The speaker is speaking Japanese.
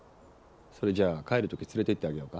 それじゃ帰る時連れていってあげようか。